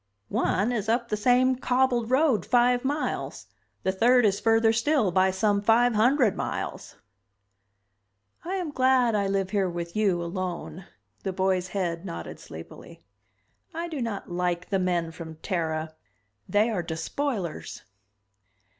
"One is up the same cobbled road five miles, the third is further still by some five hundred miles." "I am glad I live here with you, alone." The boy's head nodded sleepily. "I do not like the men from Terra. They are despoilers."